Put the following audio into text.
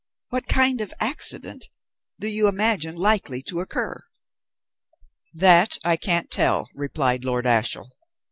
What kind of 'accident' do you imagine likely to occur?" "That I can't tell," replied Lord Ashiel.